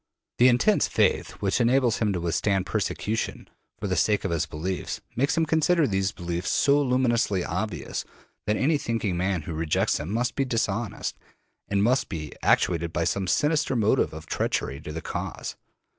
The intense faith which enables him to withstand persecution for the sake of his beliefs makes him consider these beliefs so luminously obvious that any thinking man who rejects them must be dishonest, and must be actuated by some sinister motive of treachery to the cause.